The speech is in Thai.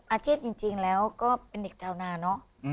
อาชีพจริงแล้วก็เป็นเด็กชาวนาเนอะ